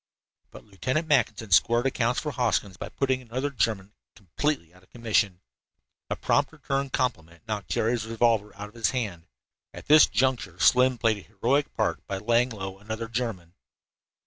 But Lieutenant Mackinson squared accounts for Hoskins by putting another German completely out of commission. A prompt return compliment knocked Jerry's revolver out of his hand. At this juncture Slim played a heroic part by laying low another German.